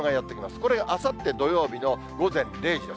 これがあさって土曜日の午前０時です。